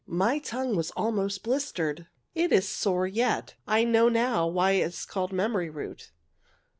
" My tongue was almost blistered. It is sore yet. I know now why it is called ' memory root.'